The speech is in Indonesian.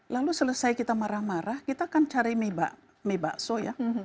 lalu selesai kita marah marah kita akan cari mie bakso ya